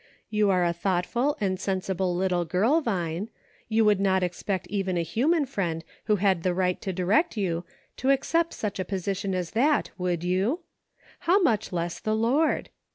You are a thoughtful and sensible little girl. Vine ; you would not expect even a human friend who had the right to direct you, to accept such a pos ition as that, would you } How much less the Lord